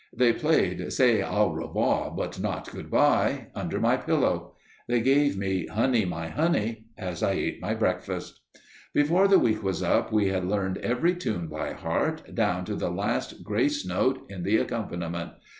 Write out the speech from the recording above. They played "Say Au Revoir, but not Good bye" under my pillow; they gave me "Honey, my Honey" as I ate my breakfast. Before the week was up we had learned every tune by heart, down to the last grace note in the accompaniment.